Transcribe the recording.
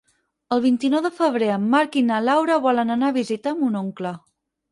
El vint-i-nou de febrer en Marc i na Laura volen anar a visitar mon oncle.